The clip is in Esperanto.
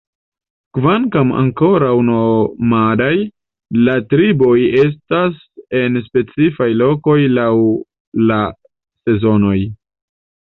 Kvankam ankoraŭ nomadaj, la triboj restas en specifaj lokoj laŭ la sezonoj.